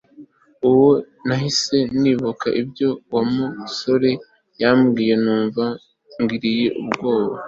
ubwo nahise nibuka ibyo wamusore yambwiye numva nigiriye ubwoba